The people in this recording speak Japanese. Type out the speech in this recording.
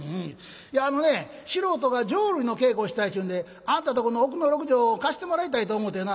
「いやあのね素人が浄瑠璃の稽古をしたいちゅうんであんたんとこの奥の６畳を貸してもらいたいと思うてな」。